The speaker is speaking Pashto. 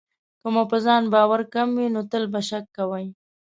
که مو په ځان باور کم وي، نو تل به شک کوئ.